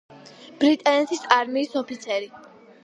ბრიტანეთის არმიის ოფიცერი.